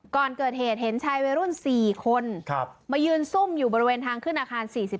ก่อนเกิดเหตุเห็นชายวัยรุ่น๔คนมายืนซุ่มอยู่บริเวณทางขึ้นอาคาร๔๔